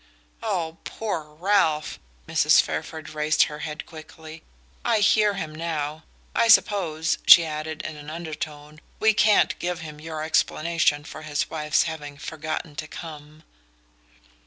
"Ah, poor Ralph!" Mrs. Fairford raised her head quickly. "I hear him now. I suppose," she added in an undertone, "we can't give him your explanation for his wife's having forgotten to come?"